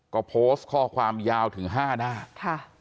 ก็โพสต์ข้อความยาวถึง๕หน้า